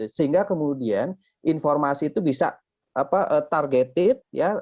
sehingga kemudian informasi itu bisa targeted ya